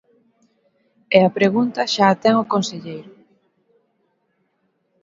E a pregunta xa a ten o conselleiro.